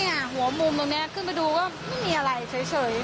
หัวมุมตรงนี้ขึ้นไปดูก็ไม่มีอะไรเฉย